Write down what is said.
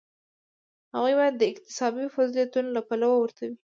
هغوی باید د اکتسابي فضیلتونو له پلوه ورته وي.